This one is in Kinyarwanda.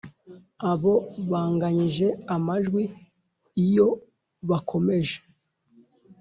abo banganyije amajwi Iyo bakomeje